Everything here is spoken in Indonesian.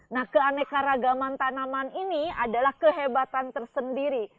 nah keaneka ragaman tanaman ini adalah kehebatan tersendiri